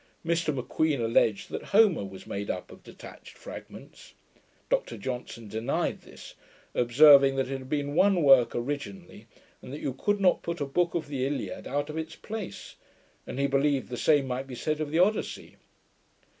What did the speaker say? Mr M'Queen alledged that Homer was made up of detached fragments. Dr Johnson denied this; observing, that it had been one work originally, and that you could not put a book of the Iliad out of its place; and he believed the same might be said of the Odyssey.